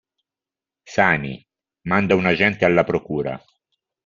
Sani, manda un agente alla Procura.